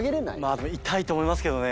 まあ痛いと思いますけどね。